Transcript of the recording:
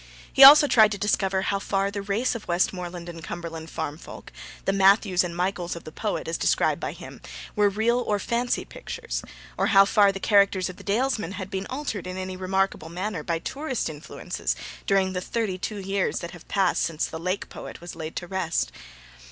He also tried to discover how far the race of Westmoreland and Cumberland farm folk the 'Matthews' and the 'Michaels' of the poet, as described by him were real or fancy pictures, or how far the characters of the Dalesmen had been altered in any remarkable manner by tourist influences during the thirty two years that have passed since the Lake poet was laid to rest.